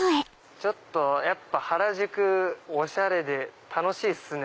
やっぱ原宿おしゃれで楽しいっすね。